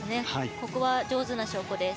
ここは上手な証拠です。